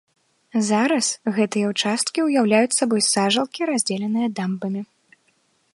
Зараз гэтыя ўчасткі ўяўляюць сабой сажалкі, раздзеленыя дамбамі.